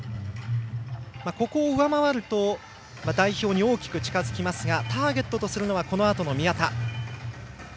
ここを上回ると代表に大きく近づきますがターゲットとするのはこのあとの宮田。